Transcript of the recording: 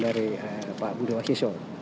dari pak budi wasiso